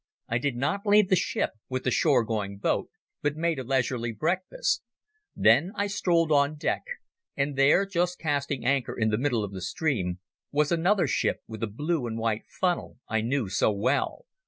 I did not leave the ship with the shore going boat, but made a leisurely breakfast. Then I strolled on deck, and there, just casting anchor in the middle of the stream, was another ship with a blue and white funnel I knew so well.